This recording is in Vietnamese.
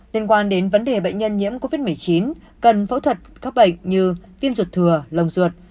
liên quan đến vấn đề bệnh nhân nhiễm covid một mươi chín cần phẫu thuật các bệnh như viêm ruột thừa lồng ruột